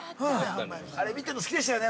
あれ見てるの、好きでしたよね。